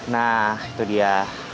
nah itu dia